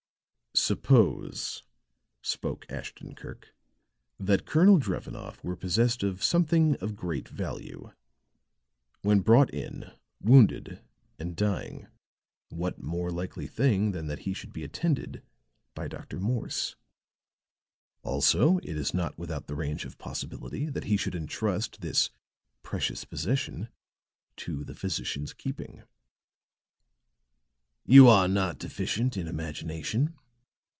"Suppose," spoke Ashton Kirk, "that Colonel Drevenoff were possessed of something of great value; when brought in wounded and dying, what more likely thing than that he should be attended by Dr. Morse? Also it is not without the range of possibility that he should entrust this precious possession to the physician's keeping." "You are not deficient in imagination."